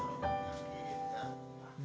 panti rehabilitasi mental